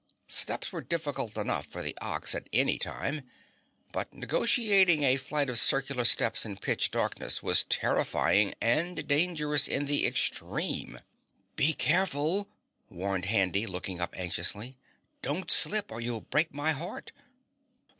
Steps were difficult enough for the Ox at any time, but negotiating a flight of circular steps in pitch darkness was terrifying and dangerous in the extreme. "Be careful!" warned Handy, looking up anxiously. "Don't slip, or you'll break my heart."